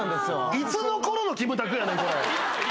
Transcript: いつのころのキムタクやねん。